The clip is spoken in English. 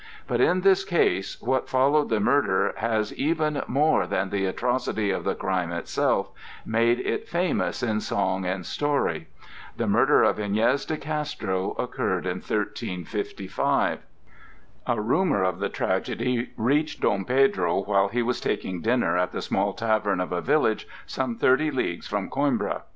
But in this case what followed the murder has, even more than the atrocity of the crime itself, made it famous in song and story. The murder of Iñez de Castro occurred in 1355. A rumor of the tragedy reached Dom Pedro while he was taking dinner at the small tavern of a village, some thirty leagues from Coimbra.